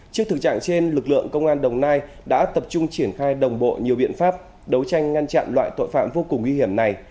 trước thực trạng trên lực lượng công an đồng nai đã tập trung triển khai đồng bộ nhiều biện pháp đấu tranh ngăn chặn loại tội phạm vô cùng nguy hiểm này